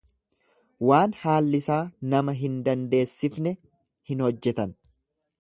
Waan haallisaa nama hin dandeessifne hin hojjetan.